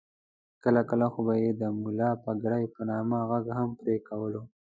کله کله خو به یې د ملا پګړۍ په نامه غږ هم پرې کولو.